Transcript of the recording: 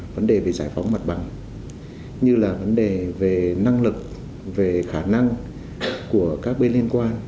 vấn đề về giải phóng mặt bằng như là vấn đề về năng lực về khả năng của các bên liên quan